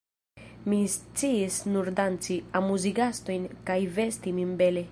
Mi sciis nur danci, amuzi gastojn kaj vesti min bele.